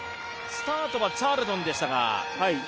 スタートはチャールトンでしたが。